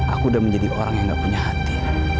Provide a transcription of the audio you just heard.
aku udah menjadi orang yang gak punya hati